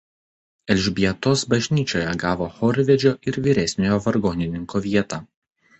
Elžbietos bažnyčioje gavo chorvedžio ir vyresniojo vargonininko vietą.